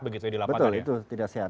betul itu tidak sehat